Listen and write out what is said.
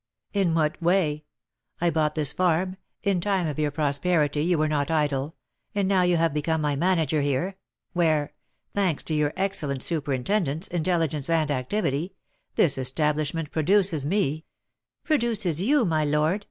"In what way? I bought this farm; in time of your prosperity you were not idle, and now you have become my manager here, where thanks to your excellent superintendence, intelligence, and activity this establishment produces me " "Produces you, my lord?"